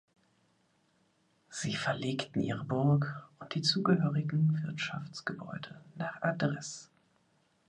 Sie verlegten ihre Burg und die zugehörigen Wirtschaftsgebäude nach Ardres.